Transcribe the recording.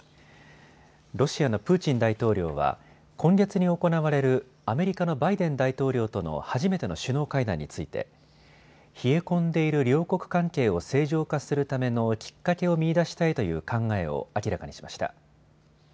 ロシアのプーチン大統領は今月に行われるアメリカのバイデン大統領との初めての首脳会談について冷え込んでいる両国関係を正常化するためのきっかけを見いだしたいという考えを明らかにしました。